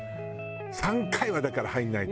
３回はだから入らないと。